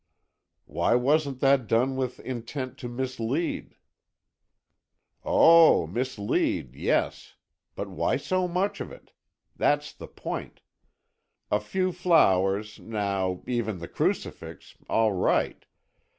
"Why wasn't that done with intent to mislead——" "Oh, mislead, yes. But why so much of it? That's the point. A few flowers, now, even the crucifix—all right.